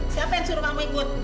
siapa yang suruh kamu ikut